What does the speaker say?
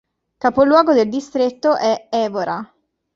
Capoluogo del distretto è Évora.